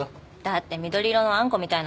だって緑色のあんこみたいなの？